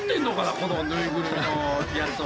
この縫いぐるみのやつを。